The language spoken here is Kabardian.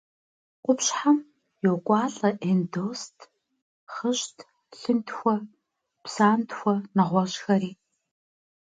Къупщхьэм йокӏуалӏэ эндост, хъыщт, лъынтхуэ, псантхуэ, нэгъуэщӏхэри.